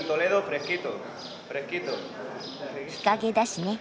日陰だしね。